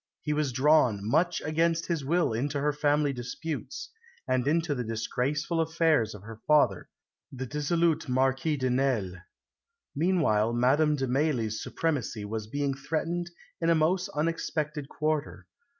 He was drawn, much against his will, into her family disputes, and into the disgraceful affairs of her father, the dissolute Marquis de Nesle. Meanwhile Madame de Mailly's supremacy was being threatened in a most unexpected quarter.